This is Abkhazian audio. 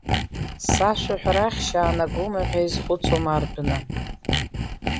Сашәаҳәара ахьшь аанагома ҳәа изхәыцуам ардәына.